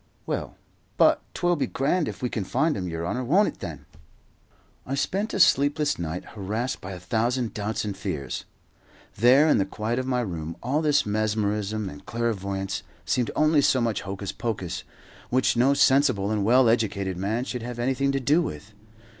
Well, but 'twill be grand if we can find 'im, yer honour, won't it then?" I spent a sleepless night, harassed by a thousand doubts and fears. There, in the quiet of my room, all this mesmerism and clairvoyance seemed only so much hocus pocus, which no sensible and well educated man should have anything to do with.